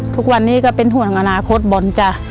ทุกวันนี้ก็เป็นห่วงอนาคตบอลจ้ะ